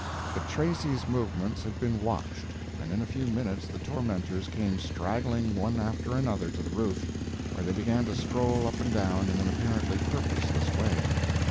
But Tracy's movements had been watched, and in a few minutes the tormentors came straggling one after another to the roof, where they began to stroll up and down in an apparently purposeless way.